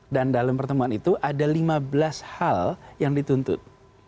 dan dalam pertemuan itu ada lima belas hal yang dituntut